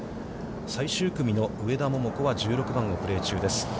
最終組の上田桃子は１７番をプレー中です。